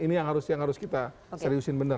ini yang harus kita seriusin benar